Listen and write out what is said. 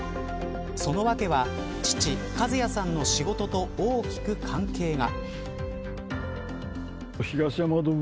その訳は父、一也さんの仕事と大きく関係が。